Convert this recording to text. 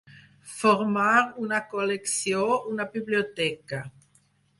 Formar una col·lecció, una biblioteca.